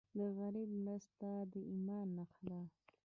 د غریب مرسته د ایمان نښه ده.